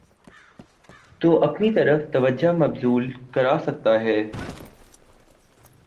تواپنی طرف توجہ مبذول کراسکتاہے۔